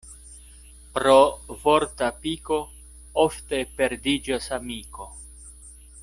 Pro vorta piko ofte perdiĝas amiko.